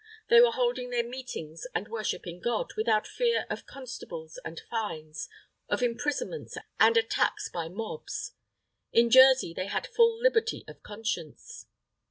They were holding their meetings and worshipping God, without fear of constables and fines, of imprisonments and attacks by mobs. In Jersey, they had full liberty of conscience.